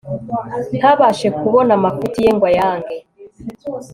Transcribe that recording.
ntabashe kubona amafuti ye ngo ayange